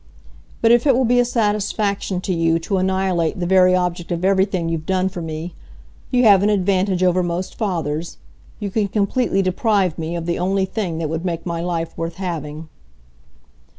But if it will be a satisfaction to you to annihilate the very object of everything you've done for me, you have an advantage over most fathers; you can completely deprive me of the only thing that would make my life worth having."